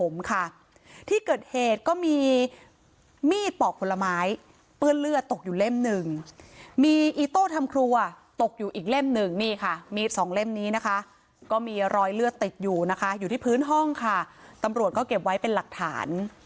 มีอีโต้ทำครัวอ่ะตกอยู่อีกเล่มหนึ่งนี่ค่ะมีสองเล่มนี้นะคะก็มีรอยเลือดติดอยู่นะคะอยู่ที่พื้นห้องค่ะตำรวจก็เก็บไว้เป็นหลักฐาน